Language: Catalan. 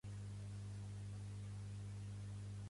Agermanés els bous per sant Joan i rodalia.